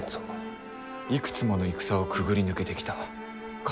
いくつもの戦をくぐり抜けてきた固い固い一丸。